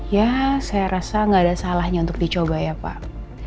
ya saya rasa nggak ada salahnya untuk dicoba ya pak